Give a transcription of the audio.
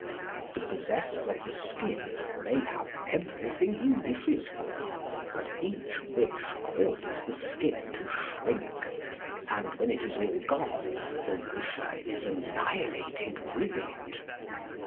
The possessor of the Skin may have every thing he wishes for; but each wish causes the Skin to shrink, and when it is all gone the wisher is annihilated with it.